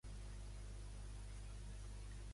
Quin és el nom de Caerleon en gal·lès?